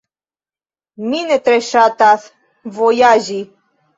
Mi ne tre ŝatas vojaĝi.